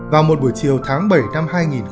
vào một buổi chiều tháng bảy năm hai nghìn hai mươi